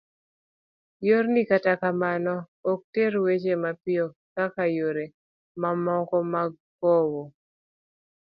yorni kata kamano, ok ter weche mapiyo kaka yore mamoko mag kowo